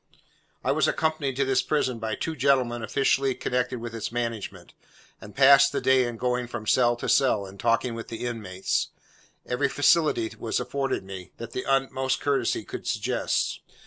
I was accompanied to this prison by two gentlemen officially connected with its management, and passed the day in going from cell to cell, and talking with the inmates. Every facility was afforded me, that the utmost courtesy could suggest.